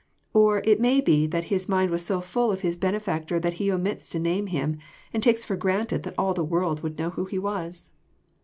Or it may be that his mind was so fhll of his Benefactor that he omits to name Him, and takes for granted that all would know who He was.